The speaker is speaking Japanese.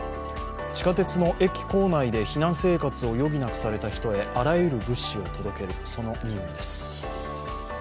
地下鉄の駅構内で避難生活を余儀なくされた人へあらゆる物資を届けるその任務です。